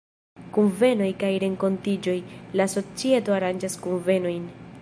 Kunvenoj kaj renkontiĝoj: La societo aranĝas kunvenojn.